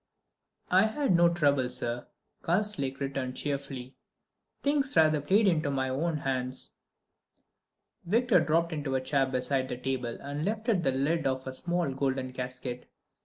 "I had no trouble, sir," Karslake returned, cheerfully. "Things rather played into my hands." Victor dropped into a chair beside the table and lifted the lid of a small golden casket.